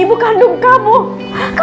ibu selalu ikut campur urusan saya